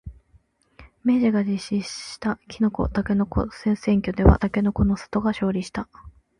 明治が実施したきのこ、たけのこ総選挙ではたけのこの里が勝利した。